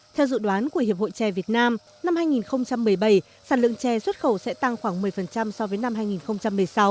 theo dự đoán của hiệp hội trè việt nam năm hai nghìn một mươi bảy sản lượng chè xuất khẩu sẽ tăng khoảng một mươi so với năm hai nghìn một mươi sáu